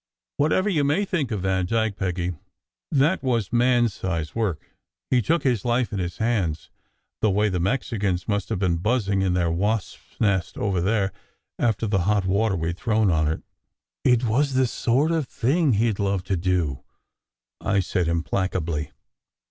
Whatever you may think of Vandyke, Peggy, that was man s size work ! He took his life in his hands, the way the Mexicans must have been buzzing in their wasp s nest over there, after the hot water we d thrown on it." "It was the sort of thing he d love to do," I said im placably.